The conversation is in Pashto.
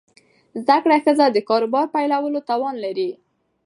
زده کړه ښځه د کاروبار پیلولو توان لري.